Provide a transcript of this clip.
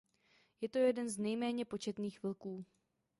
Je to jeden z nejméně početných vlků.